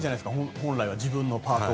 本来は自分のパートを。